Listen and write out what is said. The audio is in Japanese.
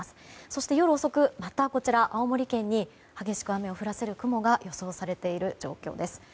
そして夜遅く、またこちらの青森県に激しく雨を降らせる雲が予想されている状況です。